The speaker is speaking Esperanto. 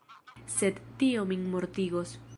Sed tio min mortigos.